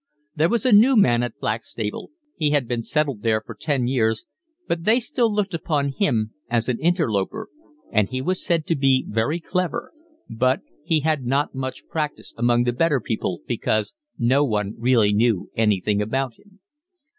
There was a new man at Blackstable—he had been settled there for ten years, but they still looked upon him as an interloper—and he was said to be very clever; but he had not much practice among the better people, because no one really knew anything about him.